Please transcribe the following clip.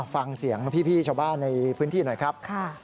ฟังเสียงพี่ชาวบ้านในพื้นที่หน่อยครับ